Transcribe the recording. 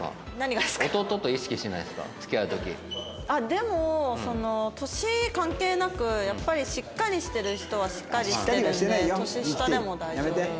でも年関係なくやっぱりしっかりしてる人はしっかりしてるんで年下でも大丈夫です。